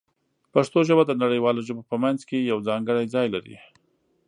پښتو ژبه د نړیوالو ژبو په منځ کې یو ځانګړی ځای لري.